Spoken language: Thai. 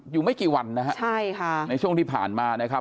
อยู่ไม่กี่วันนะครับในช่วงที่ผ่านมานะครับ